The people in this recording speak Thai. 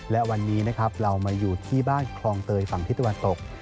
และวันนี้นะครับเรามาอยู่ที่บ้านคลองเตยฝั่งที่ตะวันตก